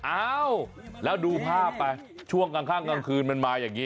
อ้าวแล้วดูภาพไปช่วงกลางข้างกลางคืนมันมาอย่างนี้